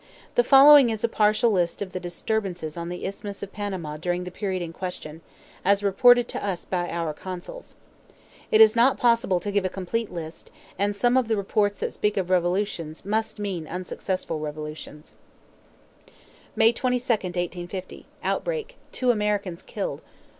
The following is a partial list of the disturbances on the Isthmus of Panama during the period in question, as reported to us by our consuls. It is not possible to give a complete list, and some of the reports that speak of "revolutions" must mean unsuccessful revolutions: May 22, 1850. Outbreak; two Americans killed.